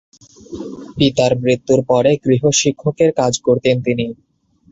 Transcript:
পিতার মৃত্যুর পর গৃহ শিক্ষকের কাজ করতেন তিনি।